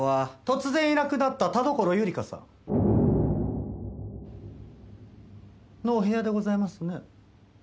突然いなくなった田所友梨華さん。のお部屋でございますね。